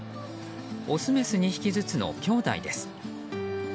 オス、メス２匹ずつのきょうだいです。